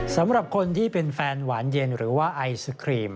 สำหรับคนที่เป็นแฟนหวานเย็นหรือว่าไอศครีม